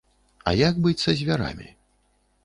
А як быць са звярамі?